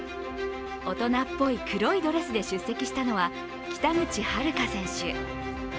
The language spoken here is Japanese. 大人っぽい黒いドレスで出席したのは北口榛花選手。